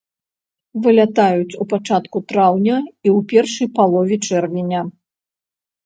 Вылятаюць у пачатку траўня і ў першай палове чэрвеня.